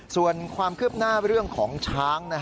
ส่วนความคืบหน้าเรื่องของช้าง